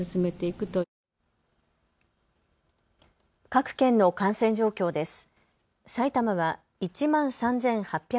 各県の感染状況です。